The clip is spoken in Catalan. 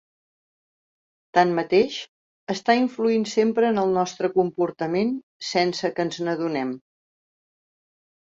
Tanmateix, està influint sempre en el nostre comportament sense que ens n'adonem.